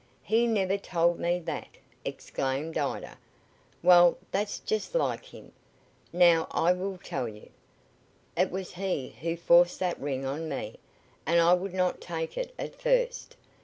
"He never told me that!" exclaimed Ida. "Well, that's just like him. Now I will tell you. It was he who forced that ring on me and I would not take it at first.